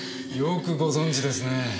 よくご存じですね。